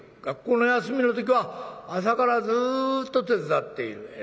学校の休みの時は朝からずっと手伝っている。